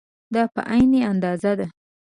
دا په عین اندازه ده.